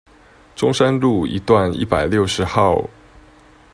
中山路一段一百六十號